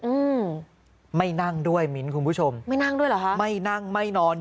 อืมไม่นั่งด้วยมิ้นคุณผู้ชมไม่นั่งด้วยเหรอฮะไม่นั่งไม่นอน